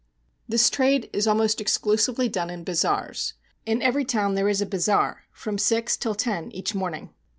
This trade is almost exclusively done in bazaars. In every town there is a bazaar, from six till ten each morning.